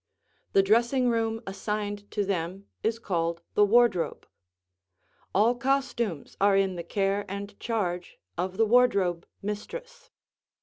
The dressing room assigned to them is called the wardrobe. All costumes are in the care and charge of the wardrobe mistress.